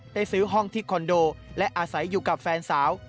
ซื้อห้องที่คอนโดและอาศัยอยู่กับแฟนสาว